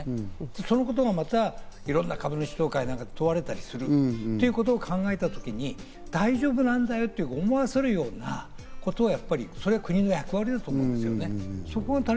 そのことがまた、いろんな株主総会なんかで問われたりするということを考えたときに大丈夫なんだよと思わせるようなことを、やっぱり国の役割だと思うんですよね、それは。